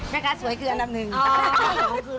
แม่คะสวยคืออันดับนึง